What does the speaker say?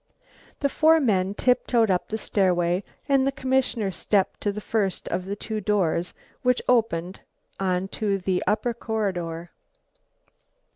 The four men tiptoed up the stairway and the commissioner stepped to the first of the two doors which opened onto the upper corridor.